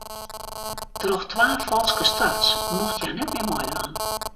Troch twa falske starts mocht hja net mear meidwaan.